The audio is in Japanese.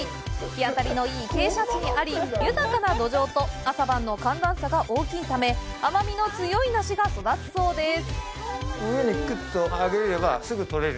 日当たりのよい傾斜地にあり豊かな土壌と朝晩の寒暖差が大きいため甘みの強い梨が育つそうです。